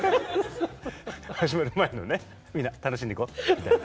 始まる前のね「みんな楽しんでいこう」みたいな。